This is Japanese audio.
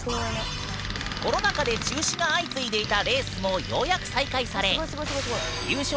コロナ禍で中止が相次いでいたレースもようやく再開され優勝